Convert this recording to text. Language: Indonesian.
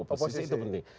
oposisi itu penting